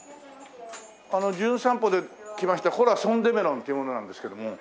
あの『じゅん散歩』で来ましたコラソンデメロンという者なんですけども。